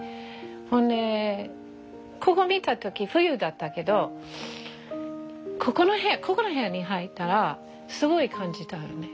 ほんでここ見た時冬だったけどここの部屋に入ったらすごい感じたのね。